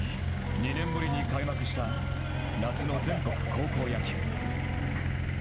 ２年ぶりに開幕した夏の全国高校野球。